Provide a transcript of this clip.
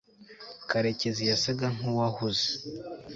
karekezi yasaga nkuwahuze